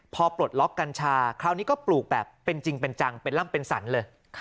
พอปลดล็อกกัญชาคราวนี้ก็ปลูกแบบเป็นจริงเป็นจังเป็นล่ำเป็นสรรเลย